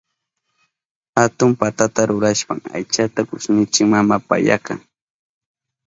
Atun patata rurashpan aychata kushnichin maman payaka.